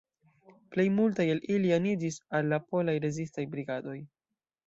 Plej multaj el ili aniĝis al la polaj rezistaj brigadoj.